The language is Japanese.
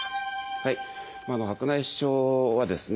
白内障はですね